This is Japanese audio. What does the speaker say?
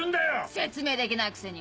説明できないくせに！